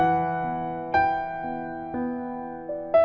ทำเป็นผู้สาเชื่อมให้น้องรักปั่นจักรยานไปขายตามหมู่บ้านค่ะ